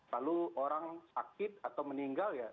lalu orang sakit atau meninggal ya